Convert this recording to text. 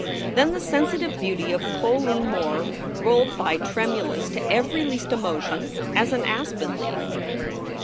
Then the sensitive beauty of Colleen Moore rolled by tremulous to every least emotion as an aspen leaf.